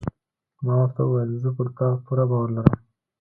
ما ورته وویل: زه پر تا پوره باور لرم.